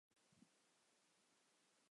整个遗址分为采矿区和冶炼区。